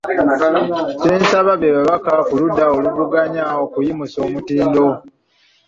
Kyensaba be babaka ku ludda oluvuganya okuyimusa omutindo.